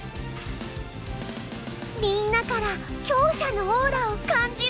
みんなから強者のオーラを感じるわ。